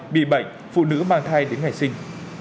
bị bệnh phụ nữ mang thai đến ngày sinh